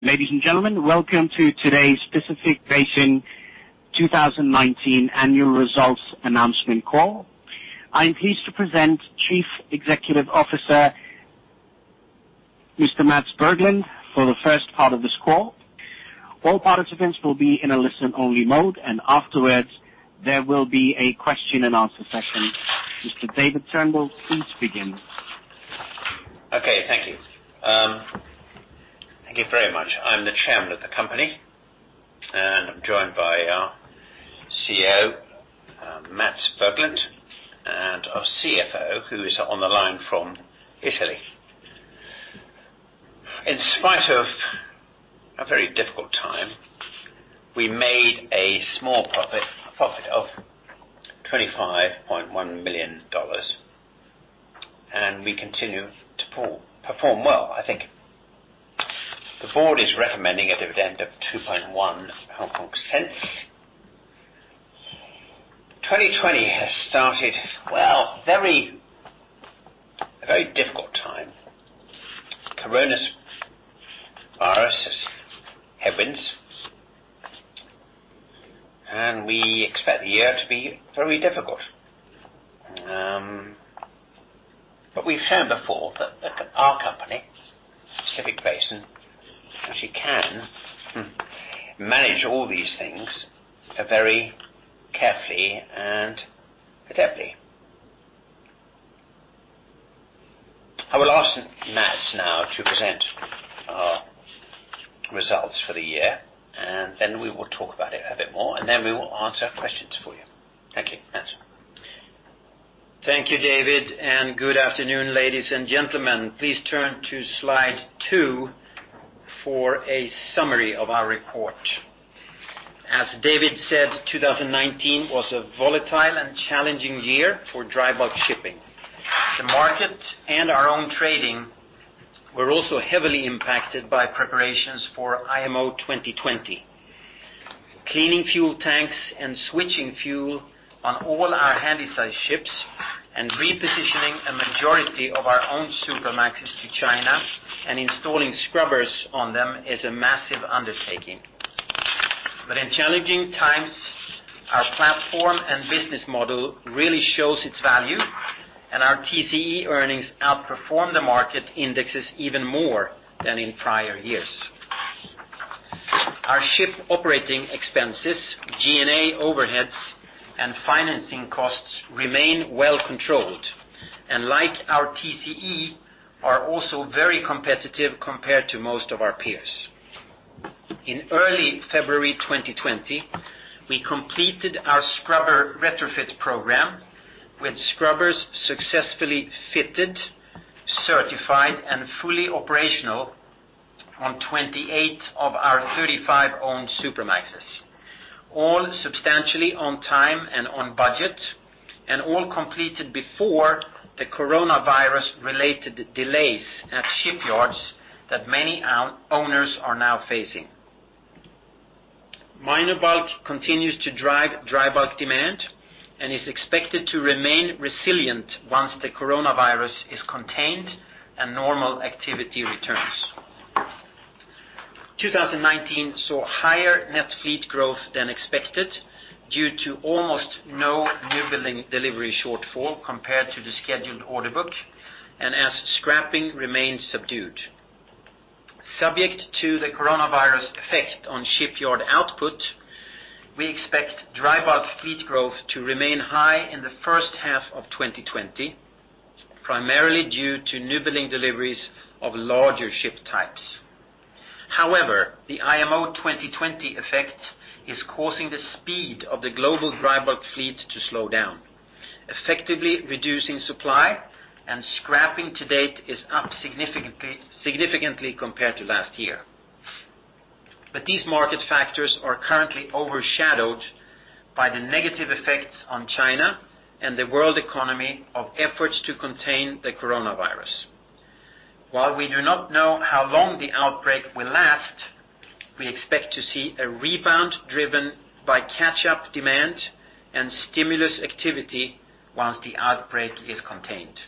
Ladies and gentlemen, welcome to today's Pacific Basin 2019 annual results announcement call. I am pleased to present Chief Executive Officer, Mr. Mats Berglund, for the first part of this call. All participants will be in a listen-only mode. Afterwards, there will be a question-and-answer session. Mr. David Turnbull, please begin. Okay. Thank you. Thank you very much. I'm the Chairman of the company, and I'm joined by our CEO, Mats Berglund, and our CFO, who is on the line from Italy. In spite of a very difficult time, we made a small profit of $25.1 million, and we continue to perform well, I think. The Board is recommending a dividend of 0.021. 2020 has started, well, a very difficult time. Coronavirus has headwinds. We expect the year to be very difficult. We've said before that our company, Pacific Basin, actually can manage all these things very carefully and adeptly. I will ask Mats now to present our results for the year, and then we will talk about it a bit more, and then we will answer questions for you. Thank you. Mats. Thank you, David. Good afternoon, ladies and gentlemen. Please turn to Slide two for a summary of our report. As David said, 2019 was a volatile and challenging year for dry bulk shipping. The market and our own trading were also heavily impacted by preparations for IMO 2020. Cleaning fuel tanks and switching fuel on all our Handysize ships and repositioning a majority of our own Supramax to China and installing scrubbers on them is a massive undertaking. In challenging times, our platform and business model really shows its value, and our TCE earnings outperform the market indexes even more than in prior years. Our ship operating expenses, G&A overheads, and financing costs remain well controlled, and like our TCE, are also very competitive compared to most of our peers. In early February 2020, we completed our scrubber retrofit program, with scrubbers successfully fitted, certified, and fully operational on 28 of our 35 owned Supramaxes, all substantially on time and on budget, and all completed before the coronavirus-related delays at shipyards that many owners are now facing. Minor bulk continues to drive dry bulk demand and is expected to remain resilient once the coronavirus is contained and normal activity returns. 2019 saw higher net fleet growth than expected due to almost no new building delivery shortfall compared to the scheduled order book, and as scrapping remains subdued. Subject to the coronavirus effect on shipyard output, we expect dry bulk fleet growth to remain high in the H1 of 2020, primarily due to new building deliveries of larger ship types. However, the IMO 2020 effect is causing the speed of the global dry bulk fleet to slow down, effectively reducing supply, and scrapping to date is up significantly compared to last year. These market factors are currently overshadowed by the negative effects on China and the world economy of efforts to contain the coronavirus. While we do not know how long the outbreak will last, we expect to see a rebound driven by catch-up demand and stimulus activity once the outbreak is contained.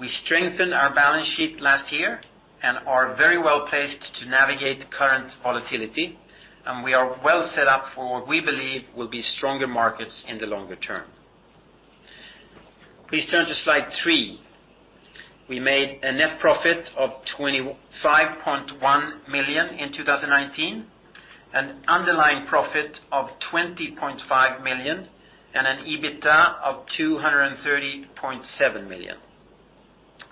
We strengthened our balance sheet last year and are very well-placed to navigate the current volatility, and we are well set up for what we believe will be stronger markets in the longer term. Please turn to Slide three. We made a net profit of $25.1 million in 2019, an underlying profit of $20.5 million, and an EBITDA of $230.7 million.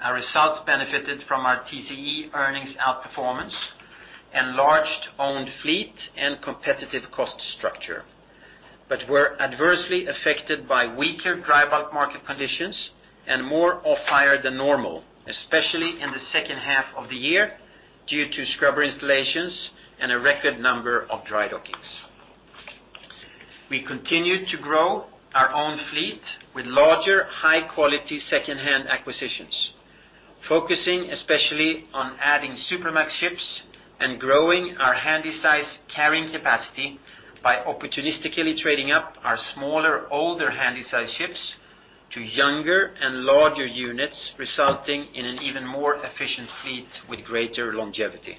Our results benefited from our TCE earnings outperformance, enlarged owned fleet, and competitive cost structure, but were adversely affected by weaker dry bulk market conditions and more off-hire than normal, especially in the H2 of the year, due to scrubber installations and a record number of dry dockings. We continue to grow our own fleet with larger, high-quality second-hand acquisitions, focusing especially on adding Supramax ships and growing our Handysize carrying capacity by opportunistically trading up our older Handysize ships to younger and larger units, resulting in an even more efficient fleet with greater longevity.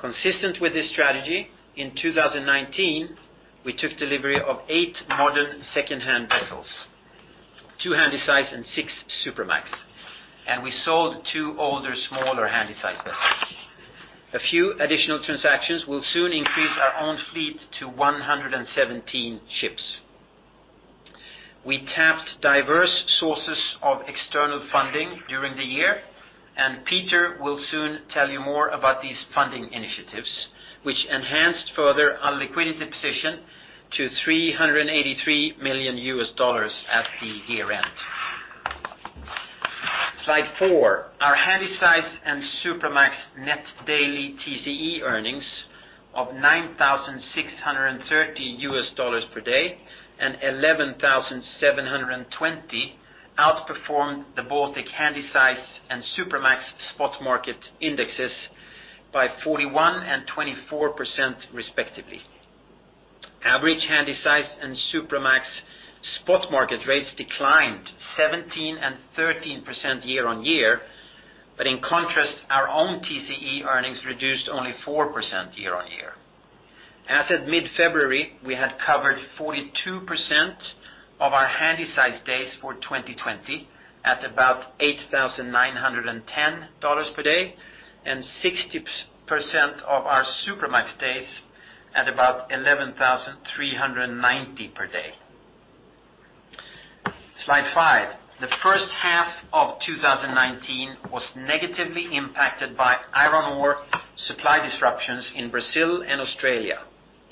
Consistent with this strategy, in 2019, we took delivery of eight modern second-hand vessels, two Handysize and six Supramax, and we sold two older, smaller Handysize vessels. A few additional transactions will soon increase our own fleet to 117 ships. We tapped diverse sources of external funding during the year. Peter will soon tell you more about these funding initiatives, which enhanced further our liquidity position to $383 million at the year-end. Slide four. Our Handysize and Supramax net daily TCE earnings of $9,630 per day and $11,720 outperformed both the Handysize and Supramax spot market indexes by 41% and 24%, respectively. Average Handysize and Supramax spot market rates declined 17% and 13% year-on-year. In contrast, our own TCE earnings reduced only 4% year-on-year. As at mid-February, we had covered 42% of our Handysize days for 2020 at about $8,910 per day and 60% of our Supramax days at about $11,390 per day. Slide five. The H1 of 2019 was negatively impacted by iron ore supply disruptions in Brazil and Australia,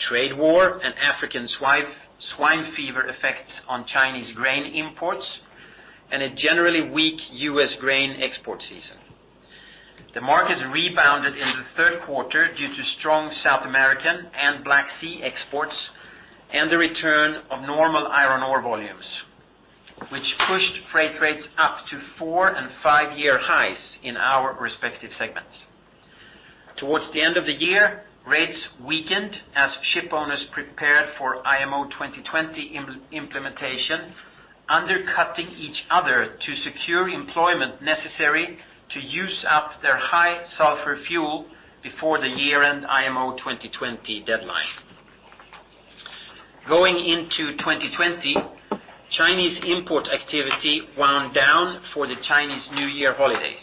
trade war and African swine fever effect on Chinese grain imports, and a generally weak U.S. grain export season. The markets rebounded in the Q3 due to strong South American and Black Sea exports and the return of normal iron ore volumes, which pushed freight rates up to four and five-year highs in our respective segments. Towards the end of the year, rates weakened as ship owners prepared for IMO 2020 implementation, undercutting each other to secure employment necessary to use up their high sulfur fuel before the year-end IMO 2020 deadline. Going into 2020, Chinese import activity wound down for the Chinese New Year holidays.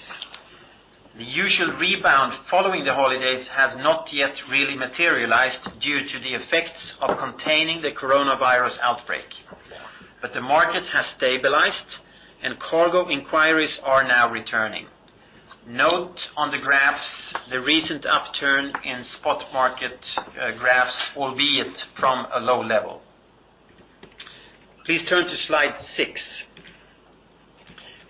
The usual rebound following the holidays has not yet really materialized due to the effects of containing the coronavirus outbreak. The market has stabilized, and cargo inquiries are now returning. Note on the graphs, the recent upturn in spot market graphs, albeit from a low level. Please turn to slide six.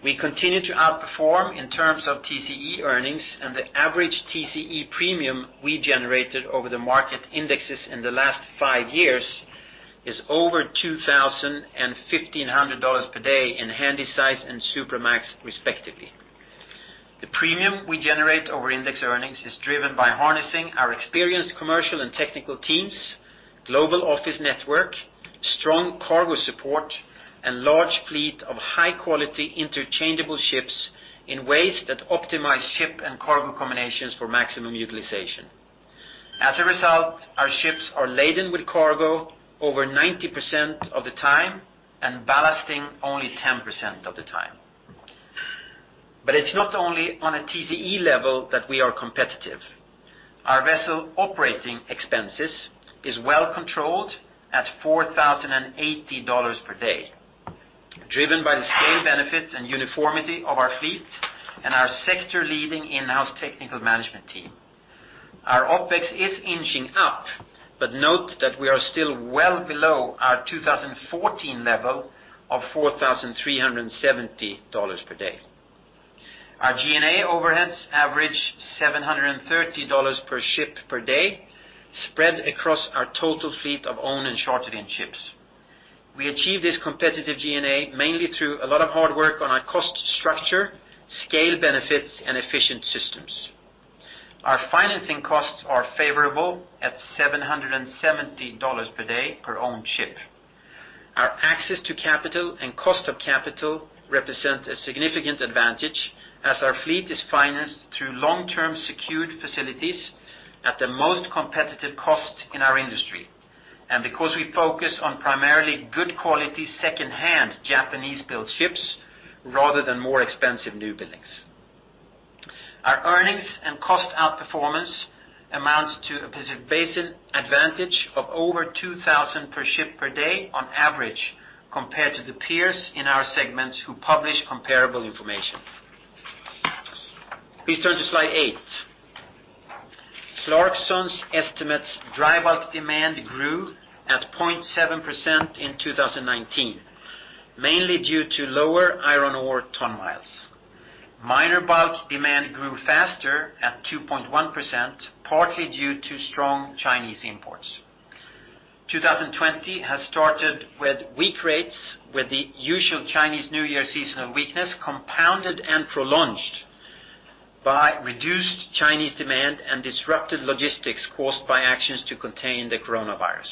We continue to outperform in terms of TCE earnings and the average TCE premium we generated over the market indexes in the last five years is over $2,000 and $1,500 per day in Handysize and Supramax, respectively. The premium we generate over index earnings is driven by harnessing our experienced commercial and technical teams, global office network, strong cargo support, and large fleet of high-quality interchangeable ships in ways that optimize ship and cargo combinations for maximum utilization. As a result, our ships are laden with cargo over 90% of the time and ballasting only 10% of the time. It's not only on a TCE level that we are competitive. Our vessel operating expenses is well controlled at $4,080 per day, driven by the scale benefits and uniformity of our fleet and our sector-leading in-house technical management team. OpEx is inching up, but note that we are still well below our 2014 level of $4,370 per day. Our G&A overheads average $730 per ship per day, spread across our total fleet of owned and chartered-in ships. We achieve this competitive G&A mainly through a lot of hard work on our cost structure, scale benefits, and efficient systems. Our financing costs are favorable at $770 per day per owned ship. Our access to capital and cost of capital represent a significant advantage as our fleet is financed through long-term secured facilities at the most competitive cost in our industry. Because we focus on primarily good quality, secondhand Japanese-built ships rather than more expensive newbuildings. Our earnings and cost outperformance amounts to a basic advantage of over 2,000 per ship per day on average, compared to the peers in our segments who publish comparable information. Please turn to Slide eight. Clarksons estimates dry bulk demand grew at 0.7% in 2019, mainly due to lower iron ore ton miles. minor bulk demand grew faster at 2.1%, partly due to strong Chinese imports. 2020 has started with weak rates with the usual Chinese New Year seasonal weakness compounded and prolonged by reduced Chinese demand and disrupted logistics caused by actions to contain the coronavirus.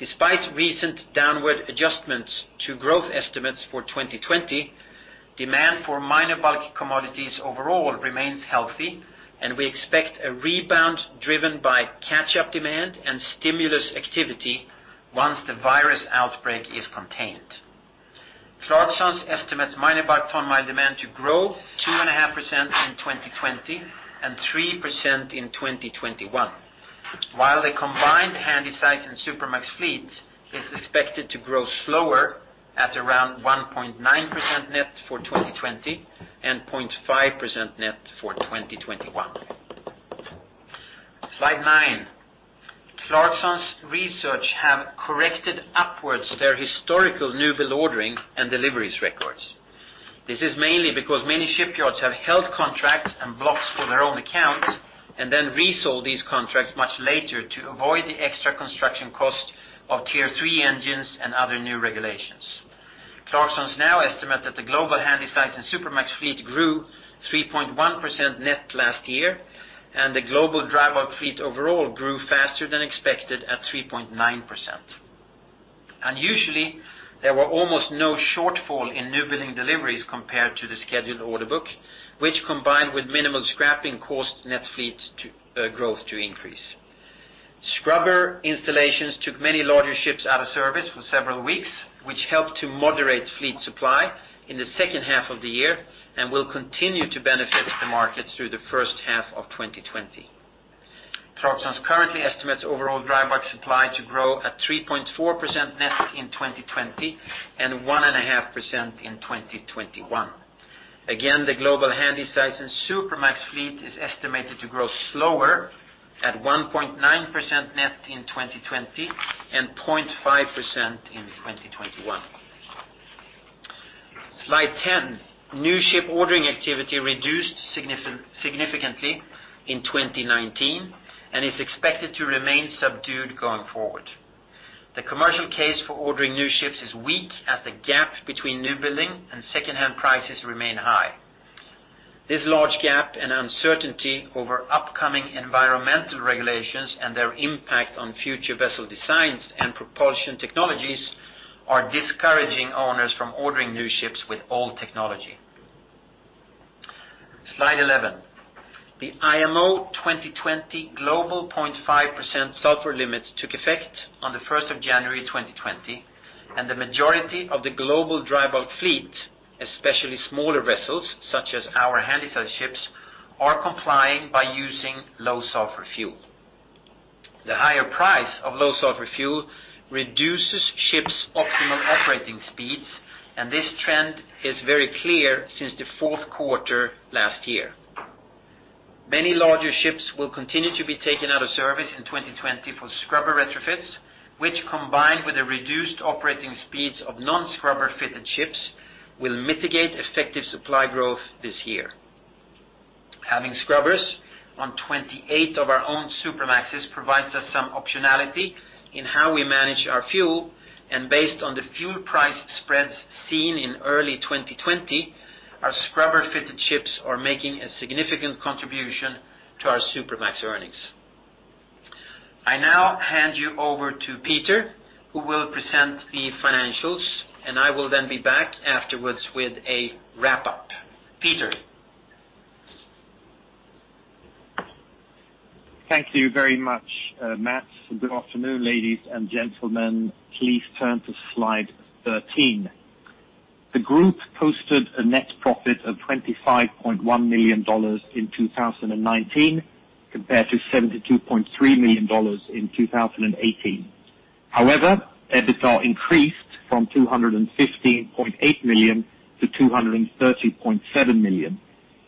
Despite recent downward adjustments to growth estimates for 2020, demand for minor bulk commodities overall remains healthy, and we expect a rebound driven by catch-up demand and stimulus activity once the virus outbreak is contained. Clarksons estimates minor bulk ton mile demand to grow 2.5% in 2020 and 3% in 2021. While the combined Handysize and Supramax fleet is expected to grow slower at around 1.9% net for 2020 and 0.5% net for 2021. Slide nine. Clarksons Research have corrected upwards their historical newbuild ordering and deliveries records. This is mainly because many shipyards have held contracts and blocks for their own account and then resold these contracts much later to avoid the extra construction cost of Tier III engines and other new regulations. Clarksons now estimate that the global Handysize and Supramax fleet grew 3.1% net last year, and the global dry bulk fleet overall grew faster than expected at 3.9%. Unusually, there were almost no shortfall in newbuilding deliveries compared to the scheduled order book, which, combined with minimal scrapping, caused net fleet growth to increase. Scrubber installations took many larger ships out of service for several weeks, which helped to moderate fleet supply in the H2 of the year and will continue to benefit the market through the H1 of 2020. Clarksons currently estimates overall dry bulk supply to grow at 3.4% net in 2020 and 1.5% in 2021. Again, the global Handysize and Supramax fleet is estimated to grow slower at 1.9% net in 2020 and 0.5% in 2021. Slide 10. New ship ordering activity reduced significantly in 2019 and is expected to remain subdued going forward. The commercial case for ordering new ships is weak as the gap between new building and secondhand prices remain high. This large gap and uncertainty over upcoming environmental regulations and their impact on future vessel designs and propulsion technologies are discouraging owners from ordering new ships with old technology. Slide 11. The IMO 2020 global 0.5% sulfur limits took effect on the January 1st, 2020. The majority of the global dry bulk fleet, especially smaller vessels such as our Handysize ships, are complying by using low sulfur fuel. The higher price of low sulfur fuel reduces ships' optimal operating speeds. This trend is very clear since the Q4 last year. Many larger ships will continue to be taken out of service in 2020 for scrubber retrofits, which, combined with the reduced operating speeds of non-scrubber fitted ships, will mitigate effective supply growth this year. Having scrubbers on 28 of our own Supramax provides us some optionality in how we manage our fuel. Based on the fuel price spreads seen in early 2020, our scrubber-fitted ships are making a significant contribution to our Supramax earnings. I now hand you over to Peter, who will present the financials, and I will then be back afterwards with a wrap-up. Peter. Thank you very much, Mats. Good afternoon, ladies and gentlemen. Please turn to Slide 13. The group posted a net profit of $25.1 million in 2019 compared to $72.3 million in 2018. EBITDA increased from $215.8 million to $230.7 million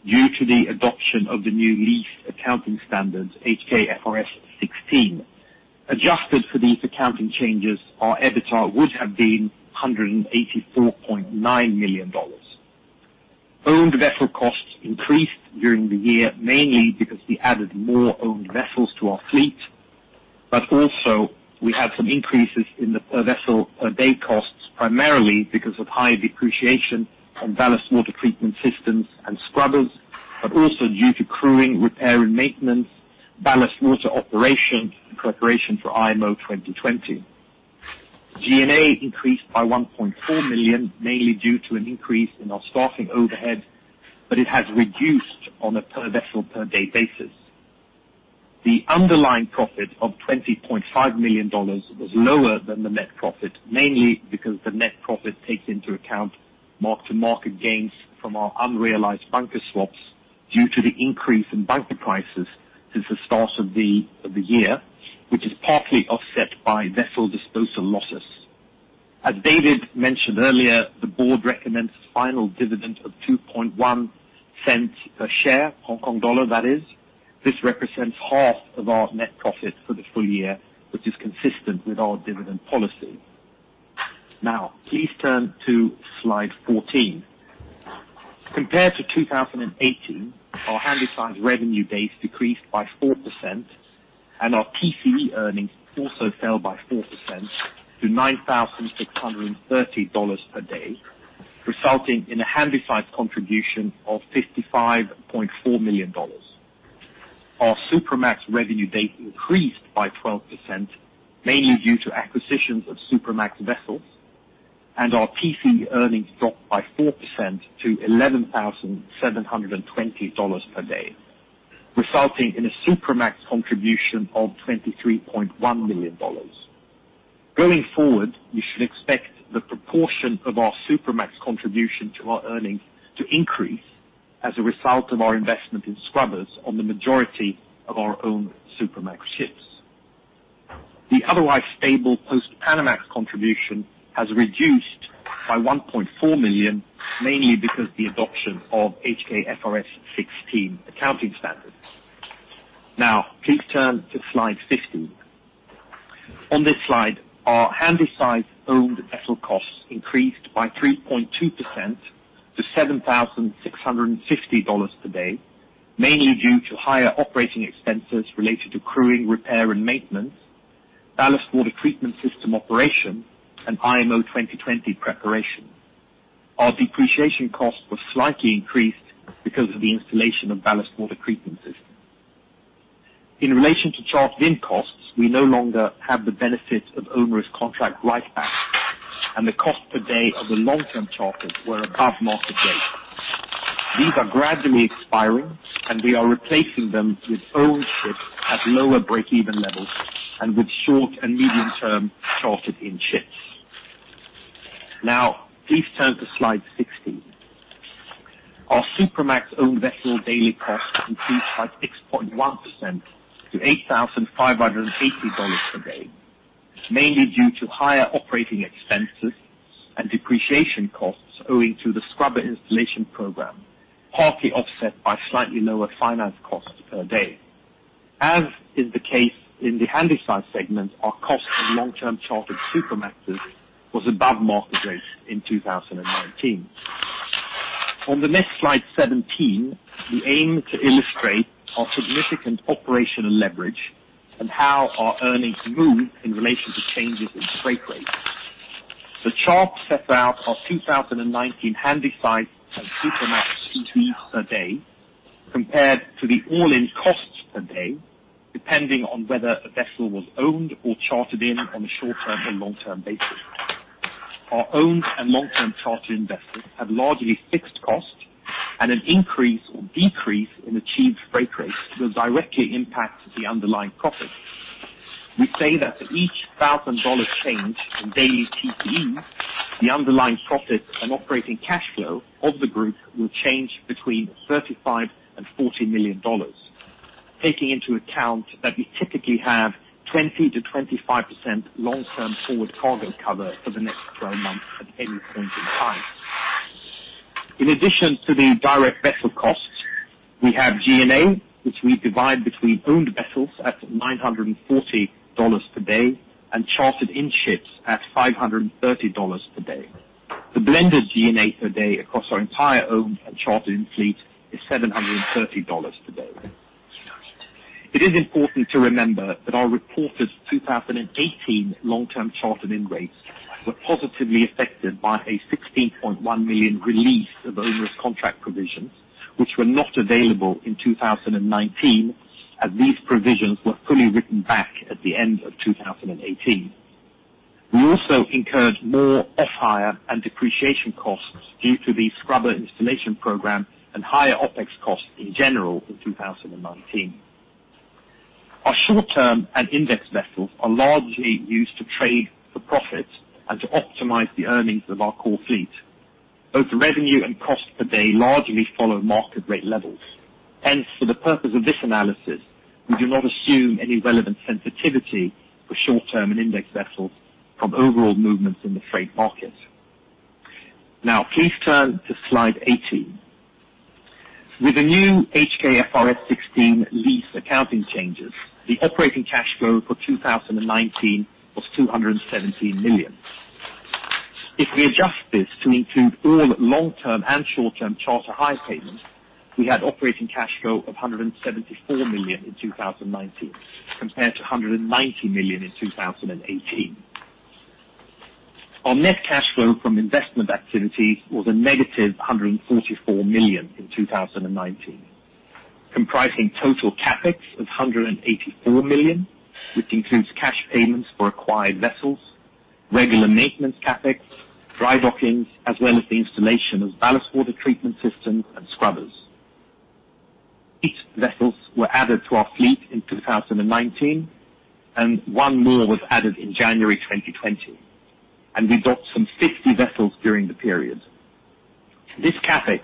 due to the adoption of the new lease accounting standards, HKFRS 16. Adjusted for these accounting changes, our EBITDA would have been $184.9 million. Owned vessel costs increased during the year, mainly because we added more owned vessels to our fleet. Also we had some increases in the per vessel per day costs, primarily because of higher depreciation on ballast water treatment systems and scrubbers, but also due to crewing, repair, and maintenance, ballast water operations in preparation for IMO 2020. G&A increased by $1.4 million, mainly due to an increase in our staffing overhead, but it has reduced on a per vessel per day basis. The underlying profit of $20.5 million was lower than the net profit, mainly because the net profit takes into account mark-to-market gains from our unrealized bunker swaps due to the increase in bunker prices since the start of the year, which is partly offset by vessel disposal losses. As David mentioned earlier, the board recommends a final dividend of 0.021 per share, Hong Kong dollar that is. This represents half of our net profit for the full year, which is consistent with our dividend policy. Now, please turn to slide 14. Compared to 2018, our Handysize revenue base decreased by 4%. Our TCE earnings also fell by 4% to $9,630 per day, resulting in a Handysize contribution of $55.4 million. Our Supramax revenue days increased by 12%, mainly due to acquisitions of Supramax vessels, and our TCE earnings dropped by 4% to $11,720 per day, resulting in a Supramax contribution of $23.1 million. Going forward, you should expect the proportion of our Supramax contribution to our earnings to increase as a result of our investment in scrubbers on the majority of our own Supramax ships. The otherwise stable Post-Panamax contribution has reduced by $1.4 million, mainly because of the adoption of HKFRS 16 accounting standards. Now, please turn to slide 15. On this slide, our Handysize owned vessel costs increased by 3.2% to $7,650 per day, mainly due to higher operating expenses related to crewing, repair, and maintenance, ballast water treatment system operation, and IMO 2020 preparation. Our depreciation costs were slightly increased because of the installation of ballast water treatment systems. In relation to chartered in costs, we no longer have the benefit of onerous contract write-backs, and the cost per day of the long-term charters were above market rate. These are gradually expiring, and we are replacing them with owned ships at lower break-even levels and with short and medium-term chartered in ships. Now, please turn to slide 16. Our Supramax owned vessel daily costs increased by 6.1% to $8,580 per day, mainly due to higher operating expenses and depreciation costs owing to the scrubber installation program, partly offset by slightly lower finance costs per day. As is the case in the Handysize segment, our cost of long-term chartered Supramaxes was above market rates in 2019. On the next Slide, 17, we aim to illustrate our significant operational leverage and how our earnings move in relation to changes in freight rates. The chart sets out our 2019 Handysize and Supramax TCEs per day compared to the all-in costs per day, depending on whether a vessel was owned or chartered in on a short-term or long-term basis. Our owned and long-term chartered in vessels have largely fixed costs, and an increase or decrease in achieved freight rates will directly impact the underlying profit. We say that for each $1,000 change in daily TCE, the underlying profit and operating cash flow of the group will change between $35 million and $40 million, taking into account that we typically have 20%-25% long-term forward cargo cover for the next 12 months at any point in time. In addition to the direct vessel costs, we have G&A, which we divide between owned vessels at $940 per day and chartered in ships at $530 per day. The blended G&A per day across our entire owned and chartered in fleet is $730 per day. It is important to remember that our reported 2018 long-term chartered in rates were positively affected by a $16.1 million release of onerous contract provisions, which were not available in 2019, as these provisions were fully written back at the end of 2018. We also incurred more off-hire and depreciation costs due to the scrubber installation program and higher OpEx costs in general in 2019. Our short-term and index vessels are largely used to trade for profit and to optimize the earnings of our core fleet. Both revenue and cost per day largely follow market rate levels. Hence, for the purpose of this analysis, we do not assume any relevant sensitivity for short-term and index vessels from overall movements in the freight market. Now, please turn to Slide 18. With the new HKFRS 16 lease accounting changes, the operating cash flow for 2019 was $217 million. If we adjust this to include all long-term and short-term charter hire payments, we had operating cash flow of $174 million in 2019 compared to $190 million in 2018. Our net cash flow from investment activity was a negative $144 million in 2019, comprising total CapEx of $184 million, which includes cash payments for acquired vessels, regular maintenance CapEx, dry dockings, as well as the installation of ballast water treatment systems and scrubbers. Eight vessels were added to our fleet in 2019, and one more was added in January 2020. We docked some 50 vessels during the period. This CapEx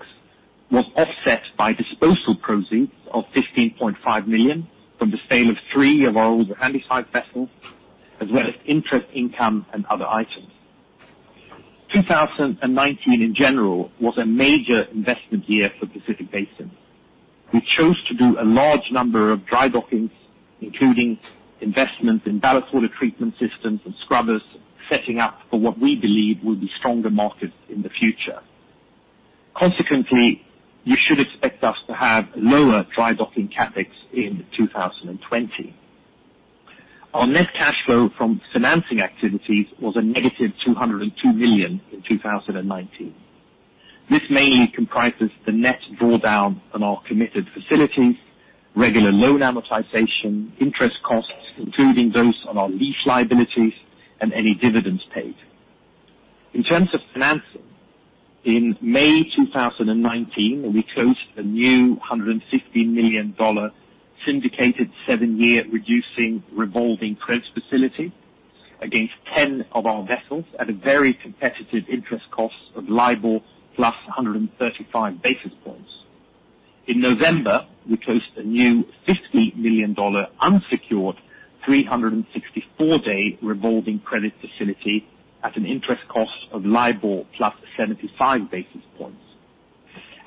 was offset by disposal proceeds of $15.5 million from the sale of three of our older Handysize vessels, as well as interest income and other items. 2019 in general was a major investment year for Pacific Basin. We chose to do a large number of dry dockings, including investments in ballast water treatment systems and scrubbers, setting up for what we believe will be stronger markets in the future. You should expect us to have lower dry docking CapEx in 2020. Our net cash flow from financing activities was a -$202 million in 2019. This mainly comprises the net drawdown on our committed facilities, regular loan amortization, interest costs, including those on our lease liabilities, and any dividends paid. In terms of financing, in May 2019, we closed a new $150 million syndicated seven-year reducing revolving credit facility against 10 of our vessels at a very competitive interest cost of LIBOR +135 basis points. In November, we closed a new $50 million unsecured 364-day revolving credit facility at an interest cost of LIBOR +75 basis points.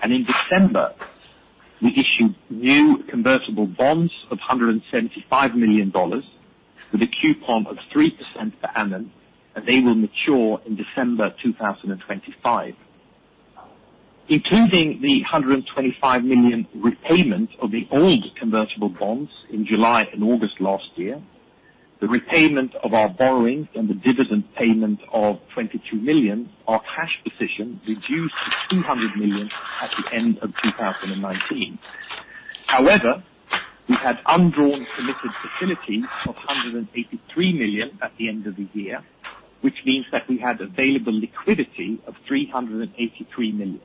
In December, we issued new convertible bonds of $175 million with a coupon of 3% per annum, and they will mature in December 2025. Including the $125 million repayment of the old convertible bonds in July and August last year, the repayment of our borrowings, and the dividend payment of $22 million, our cash position reduced to $200 million at the end of 2019. We had undrawn committed facilities of $183 million at the end of the year, which means that we had available liquidity of $383 million,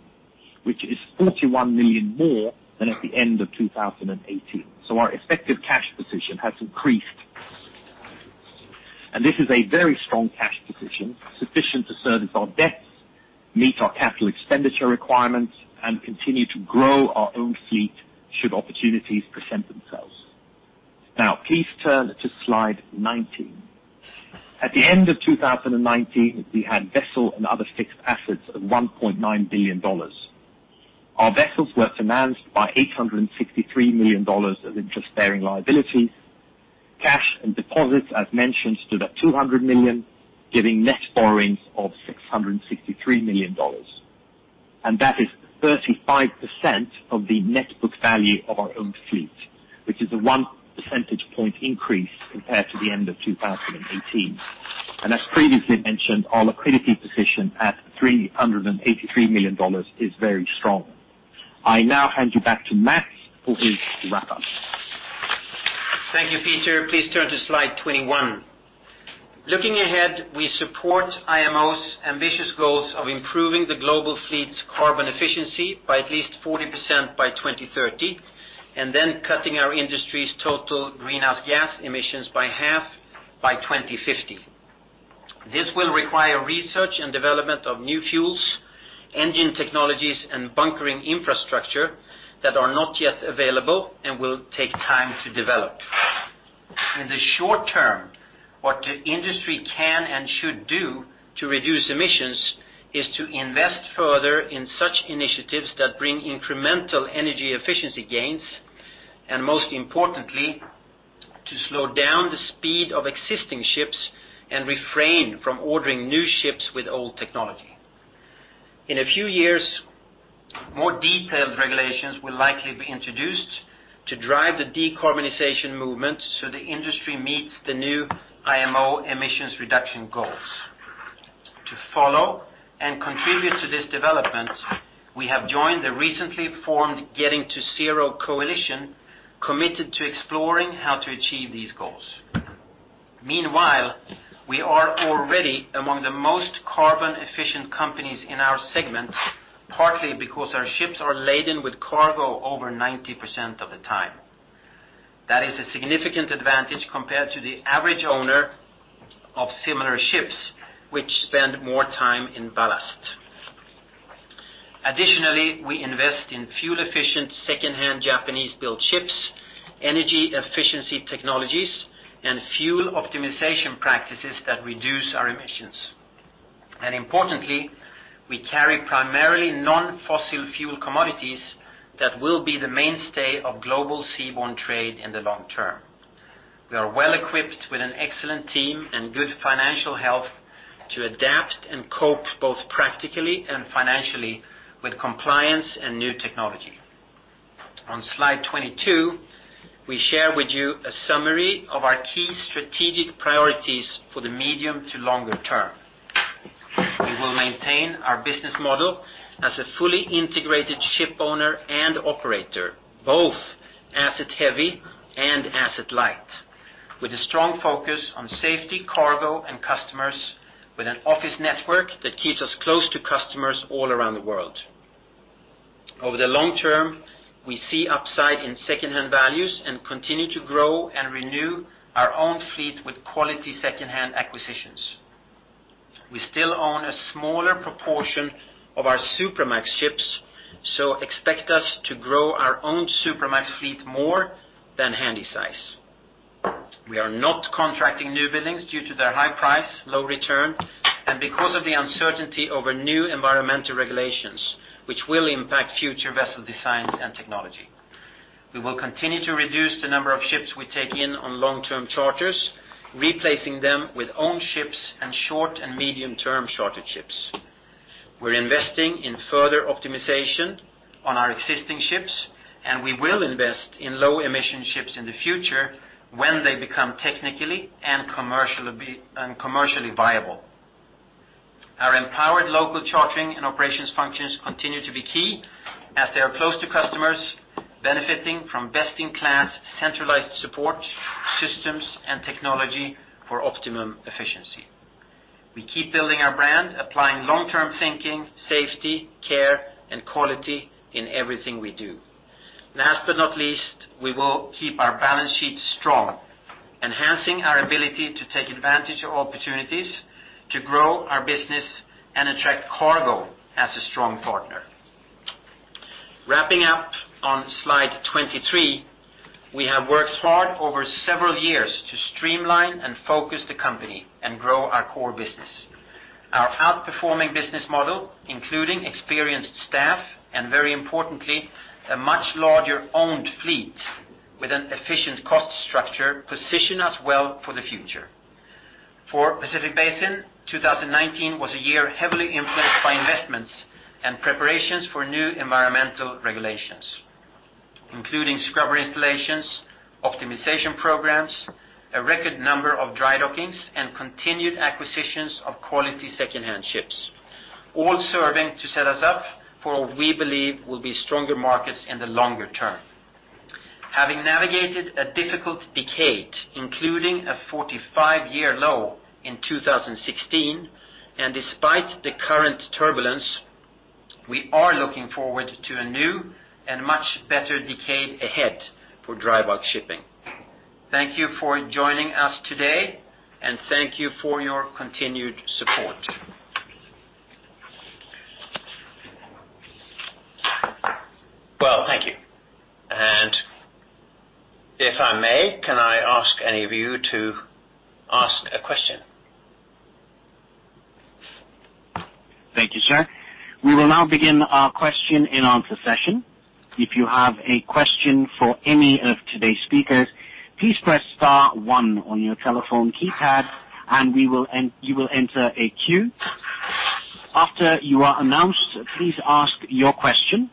which is $41 million more than at the end of 2018. Our effective cash position has increased. This is a very strong cash position, sufficient to service our debts, meet our capital expenditure requirements, and continue to grow our own fleet should opportunities present themselves. Please turn to slide 19. At the end of 2019, we had vessel and other fixed assets of $1.9 billion. Our vessels were financed by $863 million of interest-bearing liabilities. Cash and deposits, as mentioned, stood at $200 million, giving net borrowings of $663 million. That is 35% of the net book value of our own fleet, which is a 1 percentage point increase compared to the end of 2018. As previously mentioned, our liquidity position at $383 million is very strong. I now hand you back to Mats for his wrap-up. Thank you, Peter. Please turn to Slide 21. Looking ahead, we support IMO's ambitious goals of improving the global fleet's carbon efficiency by at least 40% by 2030, and then cutting our industry's total greenhouse gas emissions by half by 2050. This will require research and development of new fuels, engine technologies, and bunkering infrastructure that are not yet available and will take time to develop. In the short-term, what the industry can and should do to reduce emissions is to invest further in such initiatives that bring incremental energy efficiency gains, and most importantly, to slow down the speed of existing ships and refrain from ordering new ships with old technology. In a few years, more detailed regulations will likely be introduced to drive the decarbonization movement so the industry meets the new IMO emissions reduction goals. To follow and contribute to this development, we have joined the recently formed Getting to Zero Coalition, committed to exploring how to achieve these goals. Meanwhile, we are already among the most carbon-efficient companies in our segment, partly because our ships are laden with cargo over 90% of the time. That is a significant advantage compared to the average owner of similar ships, which spend more time in ballast. Additionally, we invest in fuel-efficient secondhand Japanese-built ships, energy efficiency technologies, and fuel optimization practices that reduce our emissions. Importantly, we carry primarily non-fossil fuel commodities that will be the mainstay of global seaborne trade in the long term. We are well-equipped with an excellent team and good financial health to adapt and cope both practically and financially with compliance and new technology. On Slide 22, we share with you a summary of our key strategic priorities for the medium to longer term. We will maintain our business model as a fully integrated ship owner and operator, both asset heavy and asset light, with a strong focus on safety, cargo, and customers, with an office network that keeps us close to customers all around the world. Over the long term, we see upside in secondhand values and continue to grow and renew our own fleet with quality secondhand acquisitions. We still own a smaller proportion of our Supramax ships, so expect us to grow our own Supramax fleet more than Handysize. We are not contracting new buildings due to their high price, low return, and because of the uncertainty over new environmental regulations, which will impact future vessel designs and technology. We will continue to reduce the number of ships we take in on long-term, replacing them with own ships and short and medium-term chartered ships. We're investing in further optimization on our existing ships, and we will invest in low emission ships in the future when they become technically and commercially viable. Our empowered local chartering and operations functions continue to be key as they are close to customers, benefiting from best-in-class centralized support systems and technology for optimum efficiency. We keep building our brand, applying long-term thinking, safety, care, and quality in everything we do. Last but not least, we will keep our balance sheet strong, enhancing our ability to take advantage of opportunities to grow our business and attract cargo as a strong partner. Wrapping up on slide 23, we have worked hard over several years to streamline and focus the company and grow our core business. Our outperforming business model, including experienced staff and very importantly, a much larger owned fleet with an efficient cost structure, position us well for the future. For Pacific Basin, 2019 was a year heavily influenced by investments and preparations for new environmental regulations, including scrubber installations, optimization programs, a record number of dry dockings, and continued acquisitions of quality secondhand ships, all serving to set us up for what we believe will be stronger markets in the longer term. Having navigated a difficult decade, including a 45-year low in 2016, and despite the current turbulence, we are looking forward to a new and much better decade ahead for dry bulk shipping. Thank you for joining us today, and thank you for your continued support. Well, thank you. If I may, can I ask any of you to ask a question? Thank you, sir. We will now begin our question-and-answer session. If you have a question for any of today's speakers, please press star one on your telephone keypad, and you will enter a queue. After you are announced, please ask your question.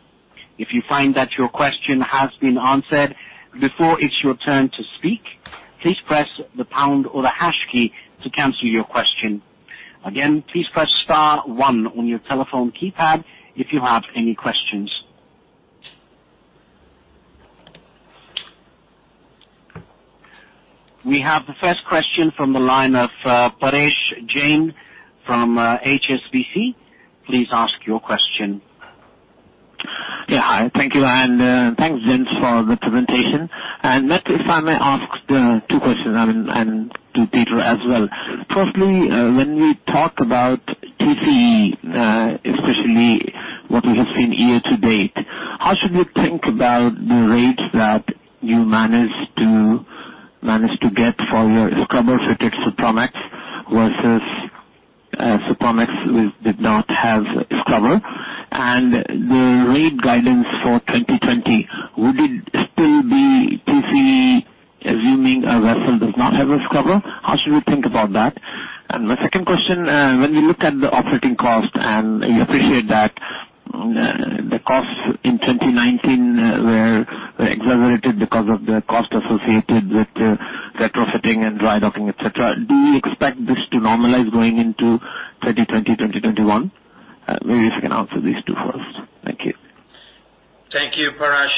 If you find that your question has been answered before it's your turn to speak, please press the pound or the hash key to cancel your question. Again, please press star one on your telephone keypad if you have any questions. We have the first question from the line of Parash Jain from HSBC. Please ask your question. Yeah. Hi. Thank you, and thanks, Mats, for the presentation. Mats, if I may ask two questions, and to Peter as well. Firstly, when we talk about TCE, especially what we have seen year to date, how should we think about the rates that you managed to get for your scrubber-fitted Supramax versus Supramax which did not have a scrubber? The rate guidance for 2020, would it still be TCE, assuming a vessel does not have a scrubber? How should we think about that? My second question, when we look at the operating cost, and we appreciate that the costs in 2019 were exaggerated because of the cost associated with retrofitting and dry docking, et cetera. Do you expect this to normalize going into 2020, 2021? Maybe if you can answer these two first. Thank you. Thank you, Parash.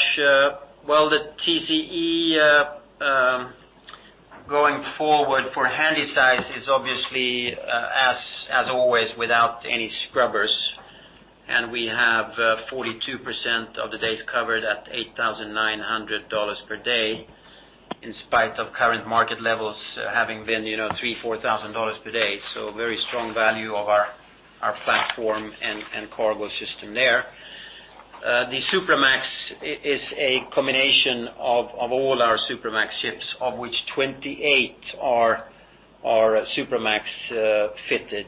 The TCE, going forward for Handysize is obviously, as always, without any scrubbers. We have 42% of the days covered at $8,900 per day, in spite of current market levels having been $3,000, $4,000 per day. Very strong value of our platform and cargo system there. The Supramax is a combination of all our Supramax ships, of which 28 are Supramax fitted.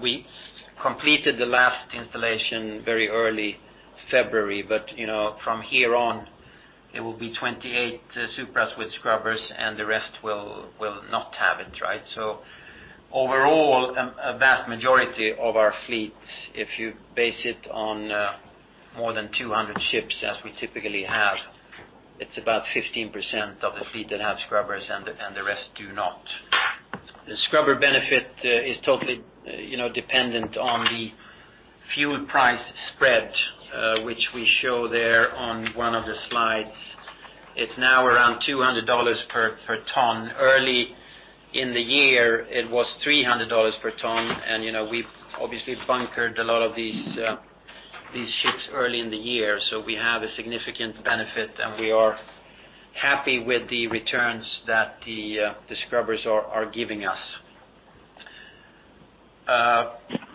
We completed the last installation very early February, but from here on, it will be 28 Supras with scrubbers, and the rest will not have it, right? Overall, a vast majority of our fleet, if you base it on more than 200 ships as we typically have, it's about 15% of the fleet that have scrubbers and the rest do not. The scrubber benefit is totally dependent on the fuel price spread, which we show there on one of the slides. It's now around $200 per ton. Early in the year, it was $300 per ton, and we've obviously bunkered a lot of these ships early in the year. We have a significant benefit, and we are happy with the returns that the scrubbers are giving us.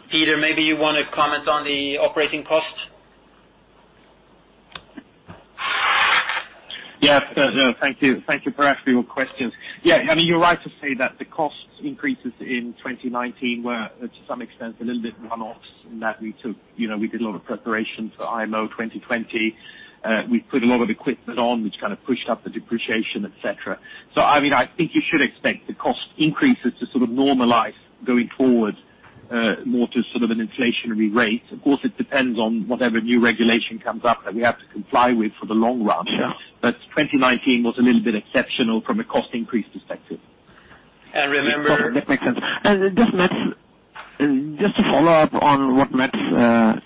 Peter, maybe you want to comment on the operating cost. Thank you. Thank you for asking your questions. I mean, you're right to say that the cost increases in 2019 were, to some extent, a little bit one-offs in that we did a lot of preparation for IMO 2020. We put a lot of equipment on, which pushed up the depreciation, et cetera. I think you should expect the cost increases to normalize going forward, more to an inflationary rate. Of course, it depends on whatever new regulation comes up that we have to comply with for the long run. Yeah. 2019 was a little bit exceptional from a cost increase perspective. Remember. That makes sense. Just to follow-up on what Mats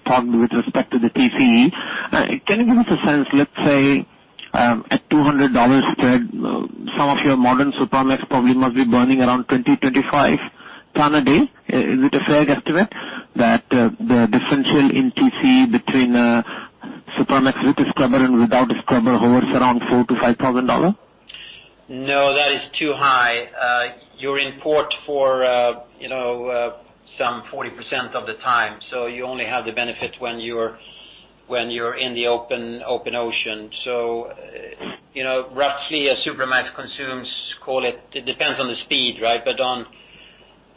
talked with respect to the TCE. Can you give us a sense, let's say, at $200 spread, some of your modern Supramax probably must be burning around 20, 25 tons a day. Is it a fair estimate that the differential in TCE between a Supramax with a scrubber and without a scrubber hovers around $4,000-$5,000? No, that is too high. You're in port for some 40% of the time, you only have the benefit when you're in the open ocean. Roughly, a Supramax consumes, call it depends on the speed, but on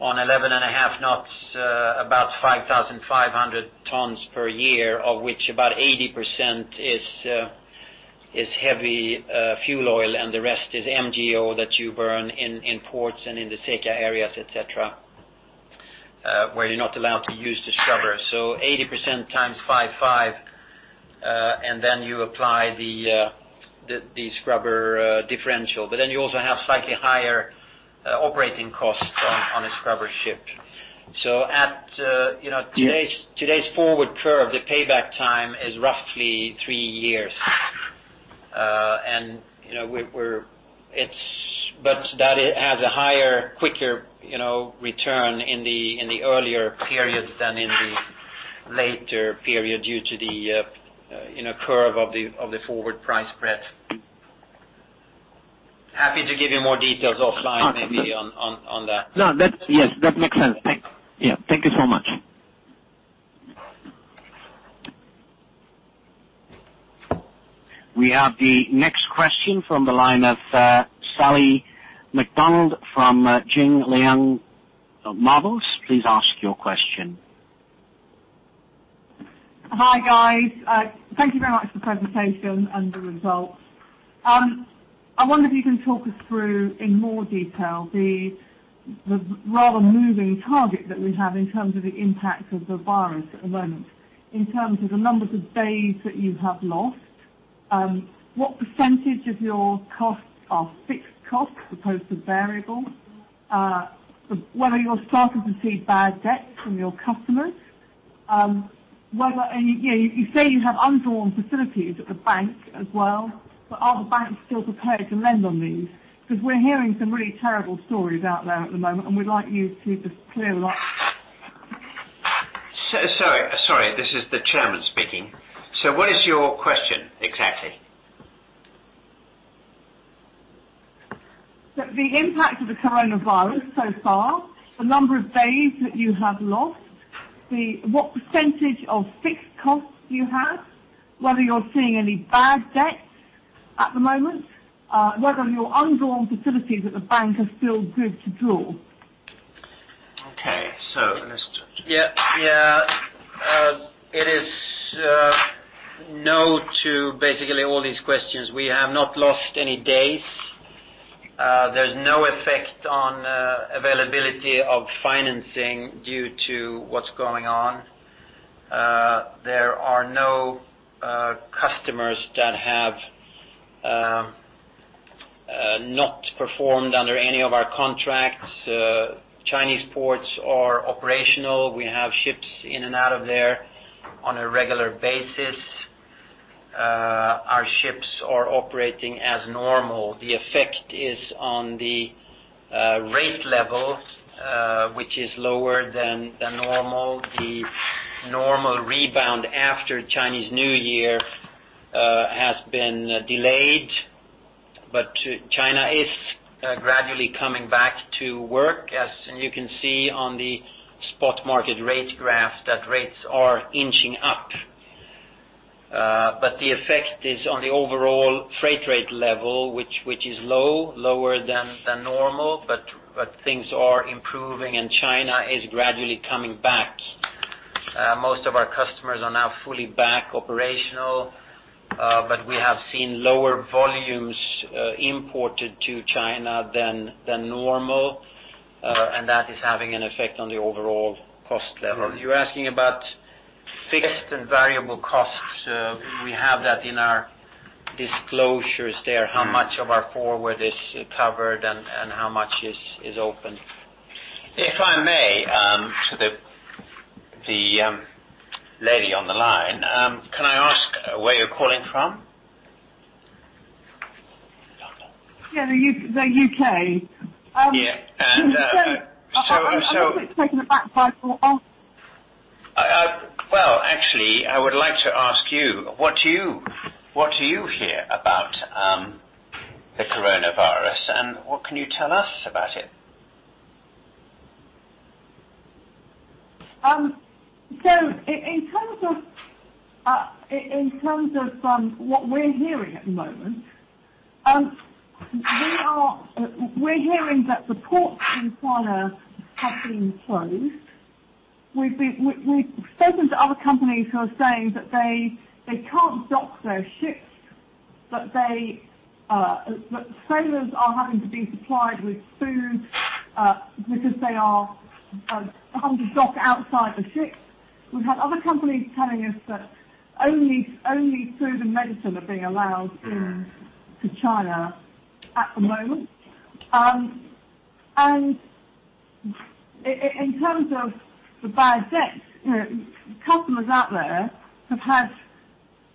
11.5 knots, about 5,500 tons per year, of which about 80% is heavy fuel oil, and the rest is MGO that you burn in ports and in the SECA areas, et cetera where you're not allowed to use the scrubber. 80% x 55, and then you apply the scrubber differential. You also have slightly higher operating costs on a scrubber ship. At today's forward curve, the payback time is roughly three years. That has a higher, quicker return in the earlier periods than in the later period due to the curve of the forward price spread. Happy to give you more details offline maybe on that. No, yes, that makes sense. Thanks. Yeah, thank you so much. We have the next question from the line of Sally MacDonald from Jing Liang Models. Please ask your question. Hi, guys. Thank you very much for the presentation and the results. I wonder if you can talk us through, in more detail, the rather moving target that we have in terms of the impact of the virus at the moment, in terms of the numbers of days that you have lost. What percentage of your costs are fixed costs opposed to variable? Whether you're starting to see bad debt from your customers. You say you have undrawn facilities at the bank as well, but are the banks still prepared to lend on these? We're hearing some really terrible stories out there at the moment, and we'd like you to just clear them up. Sorry, this is the Chairman speaking. What is your question exactly? The impact of the coronavirus so far, the number of days that you have lost, what percentage of fixed costs you have, whether you're seeing any bad debts at the moment, whether your undrawn facilities at the bank are still good to draw? Okay. It is no to basically all these questions. We have not lost any days. There is no effect on availability of financing due to what is going on. There are no customers that have not performed under any of our contracts. Chinese ports are operational. We have ships in and out of there on a regular basis. Our ships are operating as normal. The effect is on the rate level, which is lower than normal. The normal rebound after Chinese New Year has been delayed, but China is gradually coming back to work, as you can see on the spot market rate graph, that rates are inching up. The effect is on the overall freight rate level, which is low, lower than normal, but things are improving and China is gradually coming back. Most of our customers are now fully back operational. We have seen lower volumes imported to China than normal, and that is having an effect on the overall cost level. You are asking about fixed and variable costs. We have that in our disclosures there, how much of our forward is covered and how much is open. If I may, to the lady on the line, can I ask where you're calling from? Yeah, the U.K. Yeah. I was a bit taken aback by. Well, actually, I would like to ask you, what do you hear about the coronavirus, and what can you tell us about it? In terms of what we're hearing at the moment, we're hearing that the ports in China have been closed. We've spoken to other companies who are saying that they can't dock their ships, that sailors are having to be supplied with food because they are having to dock outside the ships. We've had other companies telling us that only food and medicine are being allowed into China at the moment. In terms of the bad debts, customers out there have had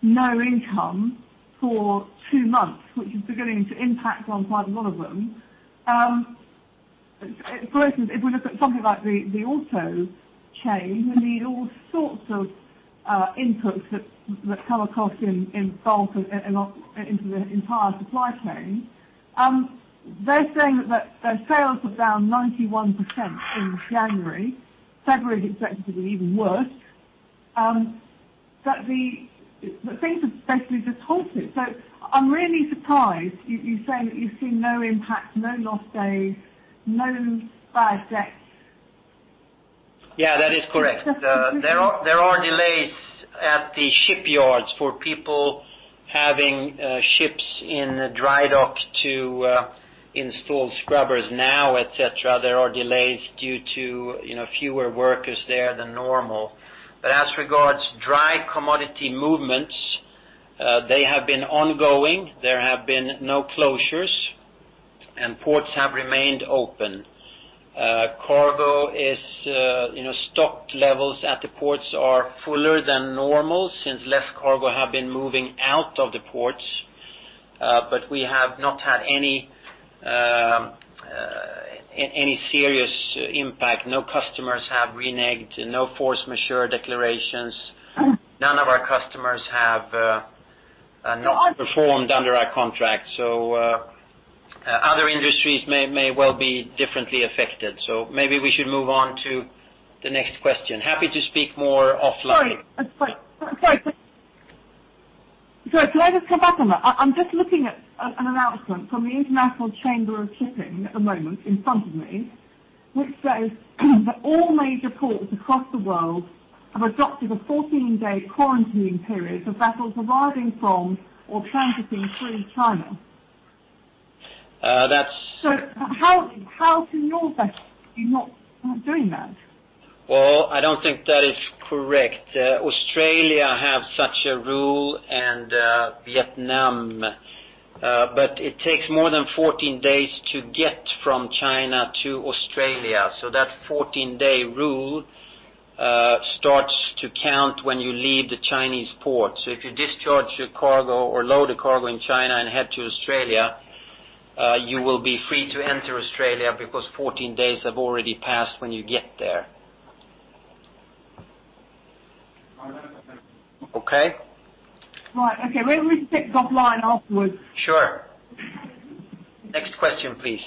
no income for two months, which is beginning to impact on quite a lot of them. For instance, if we look at something like the auto chain, we need all sorts of inputs that come across in bulk into the entire supply chain. They're saying that their sales are down 91% in January. February is expected to be even worse. Things have basically just halted. I'm really surprised you're saying that you've seen no impact, no lost days, no bad debts. Yeah, that is correct. There are delays at the shipyards for people having ships in dry dock to install scrubbers now, et cetera. There are delays due to fewer workers there than normal. As regards dry commodity movements, they have been ongoing. There have been no closures, and ports have remained open. Stock levels at the ports are fuller than normal since less cargo have been moving out of the ports. We have not had any serious impact. No customers have reneged, no force majeure declarations. None of our customers have not performed under our contract. Other industries may well be differently affected. Maybe we should move on to the next question. Happy to speak more offline. Sorry. Can I just come back on that? I'm just looking at an announcement from the International Chamber of Shipping at the moment, in front of me, which says that all major ports across the world have adopted a 14-day quarantine period for vessels arriving from or transiting through China. That's- How can your vessels be not doing that? Well, I don't think that is correct. Australia have such a rule and Vietnam. It takes more than 14 days to get from China to Australia, so that 14-day rule starts to count when you leave the Chinese port. If you discharge your cargo or load a cargo in China and head to Australia, you will be free to enter Australia because 14 days have already passed when you get there. Okay? Right. Okay. Well, let me speak offline afterwards. Sure. Next question, please.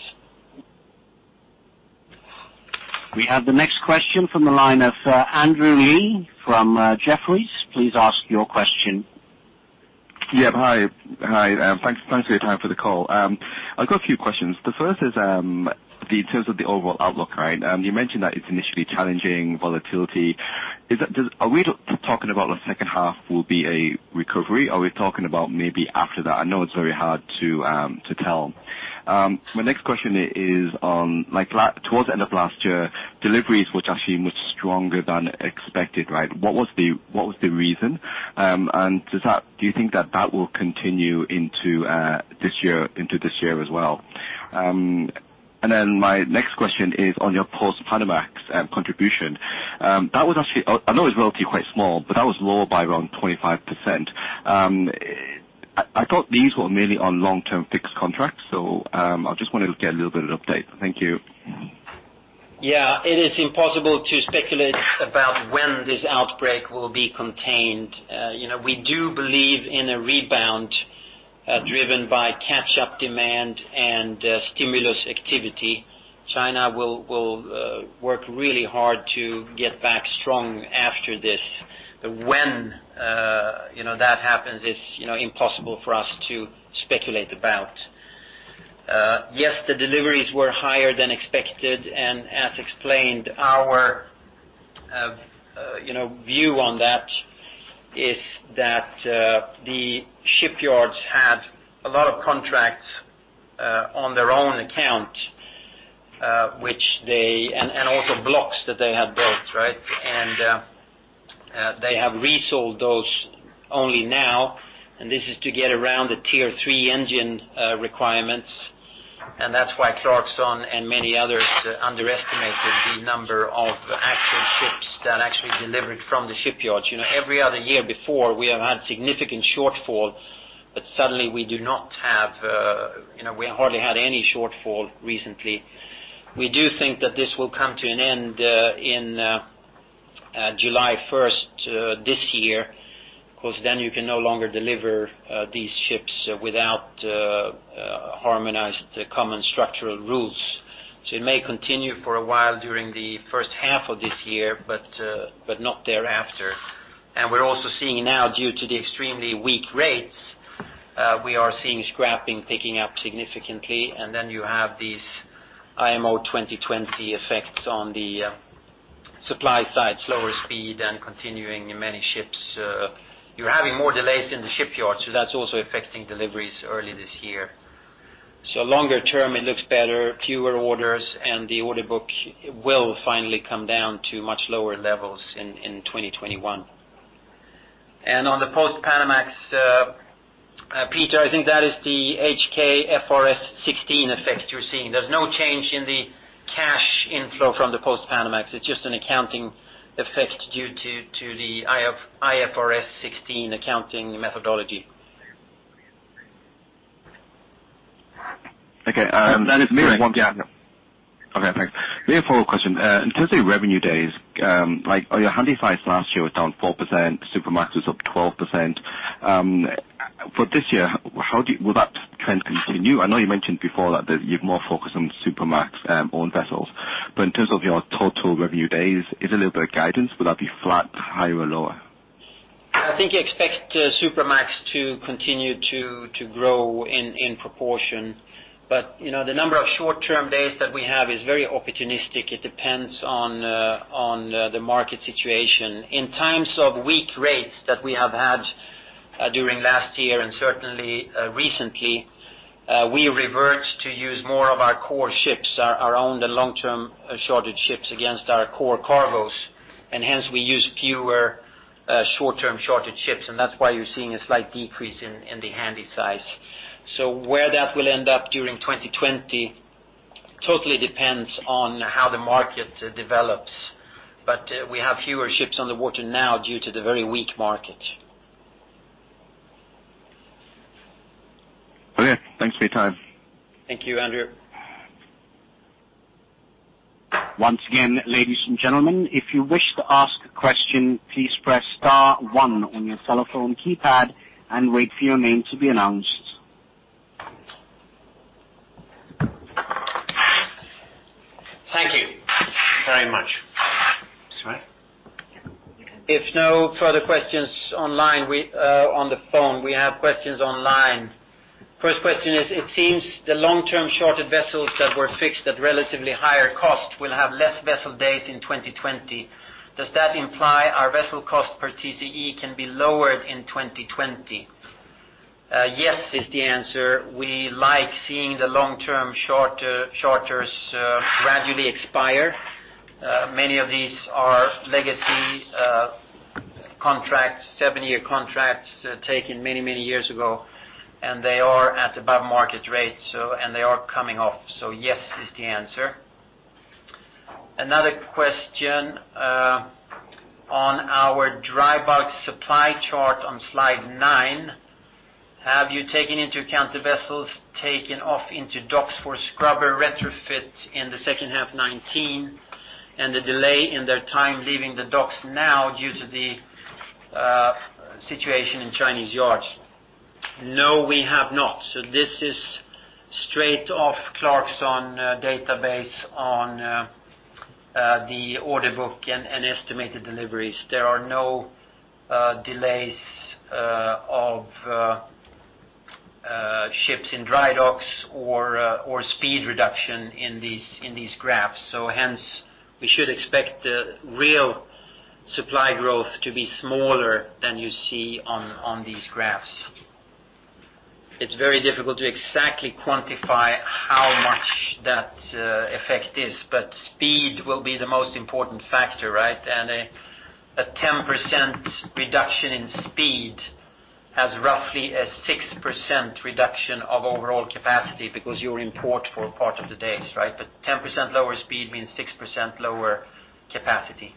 We have the next question from the line of Andrew Lee from Jefferies. Please ask your question. Yep. Hi. Thanks for your time for the call. I've got a few questions. The first is, in terms of the overall outlook, you mentioned that it's initially challenging, volatility. Are we talking about the H2 will be a recovery? Are we talking about maybe after that? I know it's very hard to tell. My next question is on, towards the end of last year, deliveries were actually much stronger than expected. What was the reason? Do you think that that will continue into this year as well? My next question is on your Post-Panamax contribution. I know it's relatively quite small, but that was lower by around 25%. I thought these were mainly on long-term fixed contracts, I just wanted to get a little bit of update. Thank you. It is impossible to speculate about when this outbreak will be contained. We do believe in a rebound, driven by catch-up demand and stimulus activity. China will work really hard to get back strong after this. When that happens, it's impossible for us to speculate about. Yes, the deliveries were higher than expected, and as explained, our view on that is that the shipyards had a lot of contracts on their own account, and also blocks that they had built. They have resold those only now, and this is to get around the Tier III engine requirements. That's why Clarksons and many others underestimated the number of actual ships that actually delivered from the shipyards. Every other year before, we have had significant shortfall, but suddenly we hardly had any shortfall recently. We do think that this will come to an end in July 1st this year, because then you can no longer deliver these ships without harmonized Common Structural Rules. Which may continue for a while during the H1 of this year, but not thereafter. We're also seeing now, due to the extremely weak rates, we are seeing scrapping picking up significantly, then you have these IMO 2020 effects on the supply side, slower speed and continuing in many ships. You're having more delays in the shipyards, that's also affecting deliveries early this year. Longer term, it looks better, fewer orders, and the order book will finally come down to much lower levels in 2021. On the Post-Panamax, Peter, I think that is the HKFRS 16 effect you're seeing. There's no change in the cash inflow from the Post-Panamax. It's just an accounting effect due to the IFRS 16 accounting methodology. Okay. That is correct. Okay, thanks. May I follow-up question. In terms of revenue days, your Handysize last year was down 4%, Supramax was up 12%. For this year, will that trend continue? I know you mentioned before that you're more focused on Supramax owned vessels, but in terms of your total revenue days, is there a little bit of guidance, will that be flat, higher or lower? I think you expect Supramax to continue to grow in proportion. The number of short-term days that we have is very opportunistic. It depends on the market situation. In times of weak rates that we have had during last year and certainly recently, we revert to use more of our core ships, our own long-term chartered ships against our core cargos, and hence we use fewer short-term chartered ships, and that's why you're seeing a slight decrease in the Handysize. Where that will end up during 2020 totally depends on how the market develops. We have fewer ships on the water now due to the very weak market. Okay. Thanks for your time. Thank you, Andrew. Once again, ladies and gentlemen, if you wish to ask a question, please press star one on your telephone keypad and wait for your name to be announced. Thank you very much. Sorry. If no further questions on the phone, we have questions online. First question is, it seems the long-term chartered vessels that were fixed at relatively higher cost will have less vessel days in 2020. Does that imply our vessel cost per TCE can be lowered in 2020? Yes, is the answer. We like seeing the long-term charters gradually expire. Many of these are legacy contracts, seven-year contracts, taken many years ago, and they are at above market rates, and they are coming off. Yes, is the answer. Another question, on our dry bulk supply chart on slide nine, have you taken into account the vessels taken off into docks for scrubber retrofit in the H2 2019, and the delay in their time leaving the docks now due to the situation in Chinese yards? No, we have not. This is straight off Clarksons database on the order book and estimated deliveries. There are no delays of ships in dry docks or speed reduction in these graphs. Hence, we should expect the real supply growth to be smaller than you see on these graphs. It's very difficult to exactly quantify how much that effect is, but speed will be the most important factor, right? A 10% reduction in speed has roughly a 6% reduction of overall capacity because you're in port for part of the days. 10% lower speed means 6% lower capacity.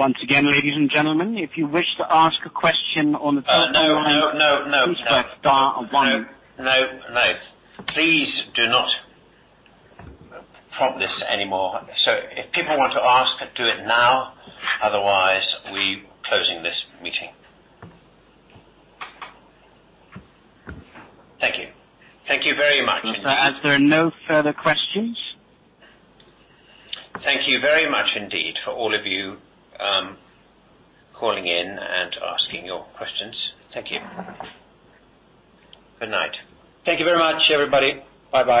Once again, ladies and gentlemen, if you wish to ask a question on the phone line. No. Please press star one. No. Please do not prompt this anymore. If people want to ask, do it now. Otherwise, we're closing this meeting. Thank you. Thank you very much. As there are no further questions. Thank you very much indeed for all of you calling in and asking your questions. Thank you. Good night. Thank you very much, everybody. Bye-bye.